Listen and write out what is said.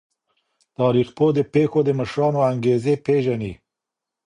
تاریخ پوه د پیښو د مشرانو انګیزې پیژني.